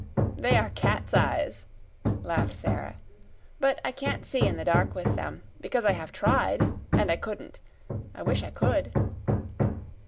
"They are cat's eyes," laughed Sara; "but I can't see in the dark with them because I have tried, and I couldn't I wish I could."